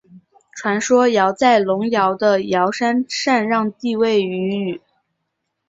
传说尧在隆尧的尧山禅让帝位予舜。